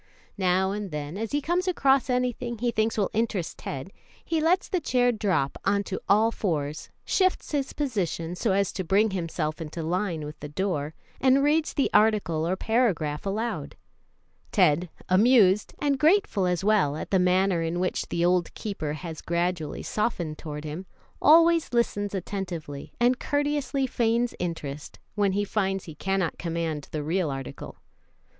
Now and then, as he comes across anything he thinks will interest Ted, he lets the chair drop on to all fours, shifts his position so as to bring himself into line with the door, and reads the article or paragraph aloud. Ted, amused, and grateful as well at the manner in which the old keeper has gradually softened toward him, always listens attentively, and courteously feigns interest, when he finds he cannot command the real article. Mrs.